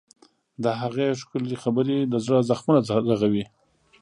د هغې ښکلي خبرې د زړه زخمونه رغوي.